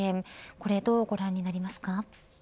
これ、どうご覧になりますか。